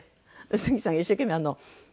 杉さんが一生懸命あの。